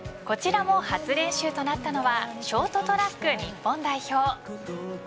こちらも初練習となったのはショートトラック日本代表。